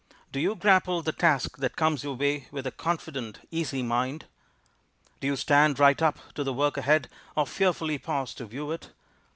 Do you grapple the task that comes your way With a confident, easy mind? Do you stand right up to the work ahead Or fearfully pause to view it?